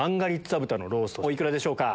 お幾らでしょうか？